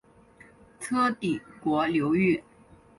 车底国流域。